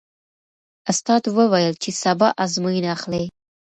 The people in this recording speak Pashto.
استاد وویل چې سبا ازموینه اخلي.